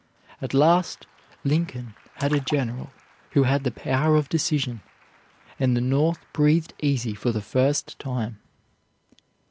At last Lincoln had a general who had the power of decision, and the North breathed easy for the first time.